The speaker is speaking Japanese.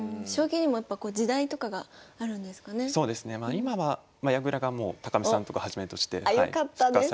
今は矢倉がもう見さんとかはじめとして。